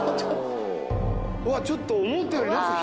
うわっちょっと思ったより中広っ！